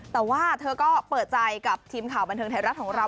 แต่ว่าเธอก็เปิดใจกับทีมข่าวบันเทิงไทยรัฐของเรา